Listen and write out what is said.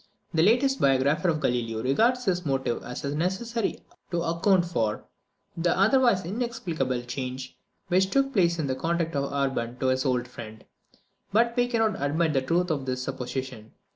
The latest biographer of Galileo regards this motive as necessary to account for "the otherwise inexplicable change which took place in the conduct of Urban to his old friend;" but we cannot admit the truth of this supposition.